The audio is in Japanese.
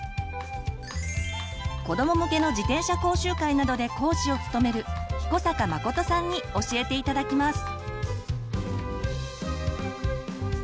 子ども向けの自転車講習会などで講師を務める彦坂誠さんに教えて頂きます。